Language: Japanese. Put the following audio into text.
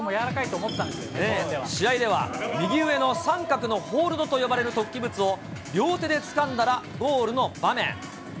試合では、右上の三角のホールドと呼ばれる突起物を両手でつかんだらゴールの場面。